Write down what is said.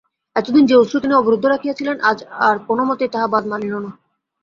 এতদিন যে অশ্রু তিনি অবরুদ্ধ রাখিয়াছিলেন আজ আর কোনোমতেই তাহা বাধা মানিল না।